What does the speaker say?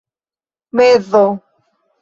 mezo